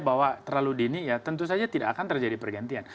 bahwa terlalu dini ya tentu saja tidak akan terjadi pergantian